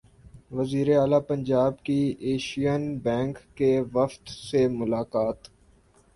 وزیراعلی پنجاب کی Asian bank کے وفد سے ملاقات